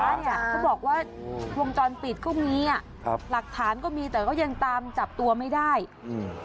เนี้ยเขาบอกว่าวงจรปิดก็มีอ่ะครับหลักฐานก็มีแต่ก็ยังตามจับตัวไม่ได้อืม